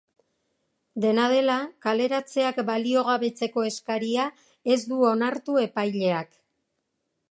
Dena dela, kaleratzeak baliogabetzeko eskaria ez du onartu epaileak.